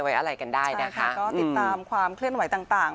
ก็ติดตามความเคลื่อนไหวต่าง